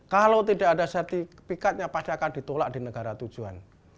kalau tidak ada sertifikatnya pasti akan ditolak di negara tujuan